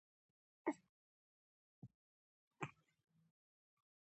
ټکس یې وضعه کړی و څو کاندیدوس ته مزد ورکړي